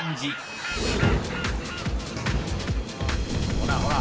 ほらほらっ。